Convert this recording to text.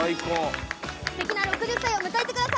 すてきな６０歳を迎えてください。